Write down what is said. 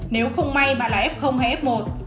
nếu không may bạn là f hay f một